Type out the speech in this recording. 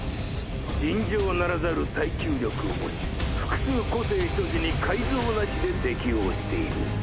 尋常ならざる耐久力を持ち複数個性所持に改造なしで適応している。